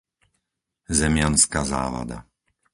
Zemianska Závada